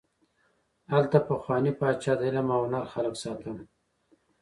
هلته پخواني پاچا د علم او هنر خلک ساتل.